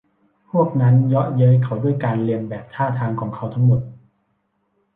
พวกนั้นเยาะเย้ยเขาด้วยการเลียนแบบท่าทางของเขาทั้งหมด